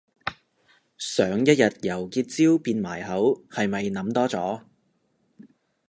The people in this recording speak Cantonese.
想一日由結焦變埋口係咪諗多咗